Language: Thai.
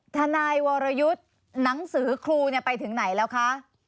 ทนายวรยุทธ์หนังสือครูไปถึงไหนแล้วคะ